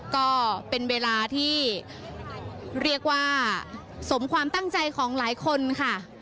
ก็เป็นเวลาที่เรียกว่าสมความตั้งใจของหลายคนค่ะ